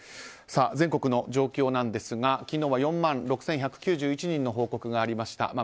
全国の状況ですが昨日は４万６１９１人の報告がありました。